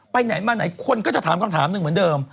ไปไหนมาไหนคนก็จะถามคำถามหนึ่งเหมือนเดิม